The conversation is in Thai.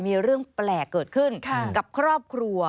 มีเรื่องแปลกเกิดขึ้นกับครอบครัว